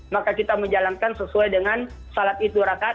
maka kita menjalankan sesuai dengan salat idul akar